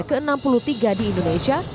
ke enam puluh tiga di indonesia